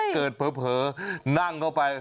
เกิดเผ่อนั่งเข้าไป